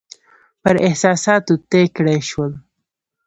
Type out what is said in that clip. پر احساساتو طی کړای شول.